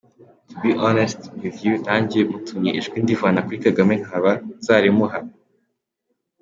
To be honest with you nange mutumye ijwi ndivana kuri Kagame nkaba nzarimuha.